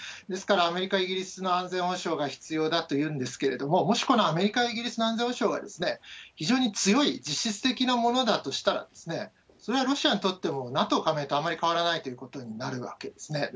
ですから、アメリカ、イギリスの安全保障が必要だというんですけれども、もしこのアメリカ、イギリスの安全保障が非常に強い実質的なものだとしたら、それはロシアにとっても、ＮＡＴＯ加盟とあまり変わらないということになるわけですね。